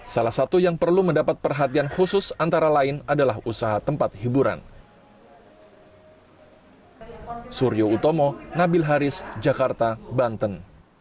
salah satu yang perlu mendapat perhatian khusus antara lain adalah usaha tempat hiburan